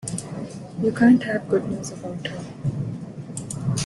You can't have good news about her.